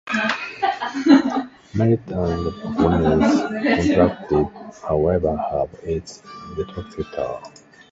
Meillet and Pokorny's "contract" did however have its detractors.